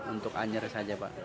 untuk anyar saja pak